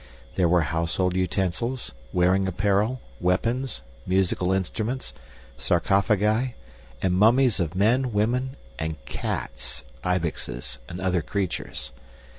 There were household utensils, wearing apparel, weapons, musical instruments, sarcophagi, and mummies of men, women, and cats, ibexes, and other creatures.